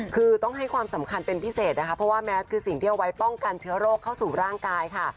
คือต้องให้ความสำคัญเป็นพิเศษนะคะเพราะว่าแมสคือสิ่งที่เอาไว้ป้องกันเชื้อโรคเข้าสู่ร่างกายค่ะ